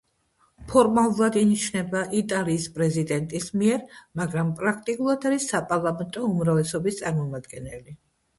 ფორმალურად ინიშნება იტალიის პრეზიდენტის მიერ, მაგრამ პრაქტიკულად არის საპარლამენტო უმრავლესობის წარმომადგენელი.